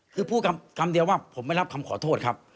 คือพูดคำเดียวว่าผมไม่รับคำขอโทษครับ